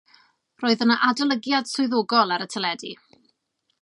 Roedd yna adolygiad swyddogol ar y teledu.